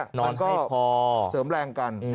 มันก็เสริมแรงกัน